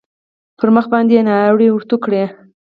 پر مخ باندې يې ناړې ورتو کړې.